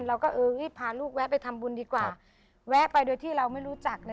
เราก็เออพาลูกแวะไปทำบุญดีกว่าแวะไปโดยที่เราไม่รู้จัก